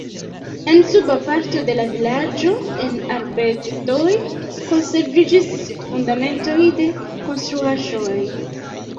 En suba parto de la vilaĝo en arbedoj konserviĝis fundamentoj de konstruaĵoj.